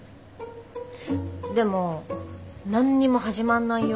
でも何にも始まんないよ。